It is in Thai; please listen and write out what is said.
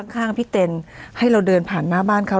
ข้างพี่เต็นให้เราเดินผ่านหน้าบ้านเขา